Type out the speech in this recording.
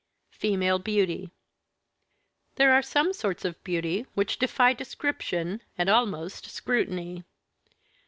FEMALE BEAUTY There are some sorts of beauty which defy description, and almost scrutiny.